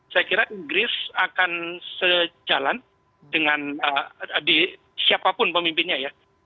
saya kira inggris akan sejalan dengan siapapun pemimpinnya ya